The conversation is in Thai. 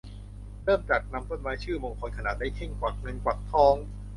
เริ่มจากนำต้นไม้ชื่อมงคลขนาดเล็ก เช่น กวักเงินกวักทอง